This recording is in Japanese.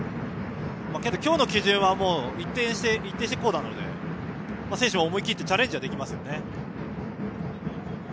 けど、今日の基準は一定してこうなので選手も思い切ってチャレンジはできますね。